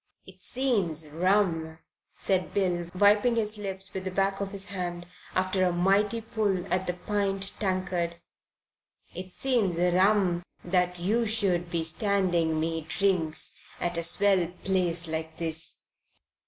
"It seems rum," said Bill, wiping his lips with the back of his hand, after a mighty pull at the pint tankard "it seems rum that you should be standing me drinks at a swell place like this.